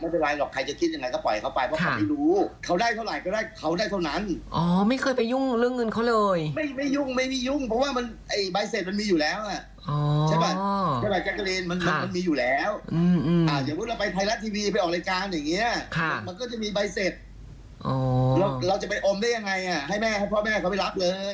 ไปฟังเสียงพี่ชูสีกันหน่อยค่ะ